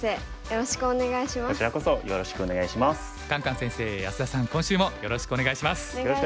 よろしくお願いします。